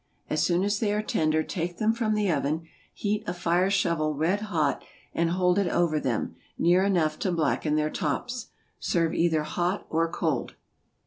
As soon as they are tender take them from the oven, heat a fire shovel red hot and hold it over them, near enough to blacken their tops. Serve either hot or cold.